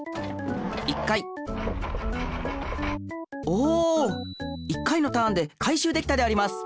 おお１回のターンで回しゅうできたであります。